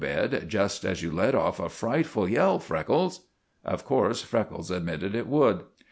bed just as you let off a frightful yell, Freckles!" Of course Freckles admitted it would.